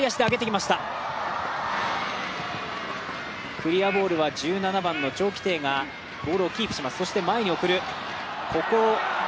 クリアボールは１７番のチョウ・キテイがボールをキープします。